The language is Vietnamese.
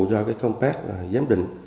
do cái compact giám định